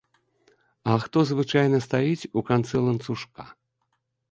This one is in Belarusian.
А хто звычайна стаіць у канцы ланцужка?